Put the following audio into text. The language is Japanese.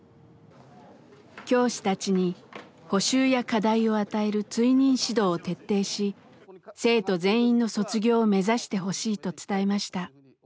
教師たちに補習や課題を与える「追認指導」を徹底し生徒全員の卒業を目指してほしいと伝えました。